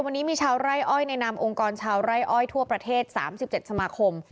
วันนี้มีชาวไร่อ้อยในนามองค์กรชาวไร่อ้อยทั่วประเทศ๓๗สมาคม